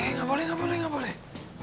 nggak boleh nggak boleh nggak boleh